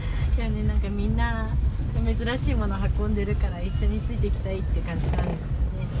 みんな珍しいものを運んでるから一緒についていきたいって感じなんですかね。